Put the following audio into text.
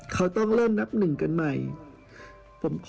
เขาต้องเริ่มนับหนึ่งกันใหม่